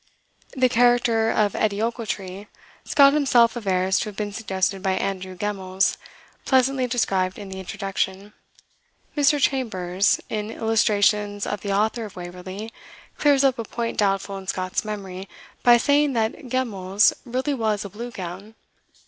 The character of Edie Ochiltree, Scott himself avers to have been suggested by Andrew Gemmells, pleasantly described in the Introduction. Mr. Chambers, in "Illustrations of the Author of 'Waverley," clears up a point doubtful in Scott's memory, by saying that Geimells really was a Blue Gown.